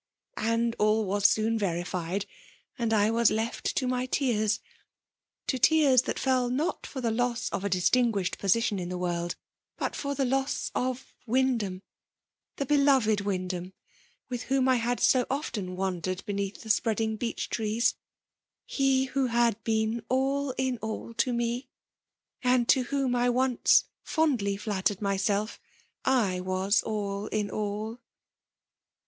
And all was soon verified, and I was left to my tears, — to tears that fell not for the loss of a distingiushed VMUJkhK DOMINAAPI^y. ffil positkm in t)ie world, but to the lotis of Wyndham — the beloved Wyndham — widi whom I had so often wandered beneath the spreading beech trees, — ^hc who had been ail in all to me, and to whom I once fondly flat^. tered myself I was all in all